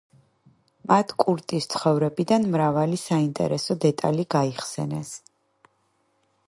მათ კურტის ცხოვრებიდან მრავალი საინტერესო დეტალი გაიხსენეს.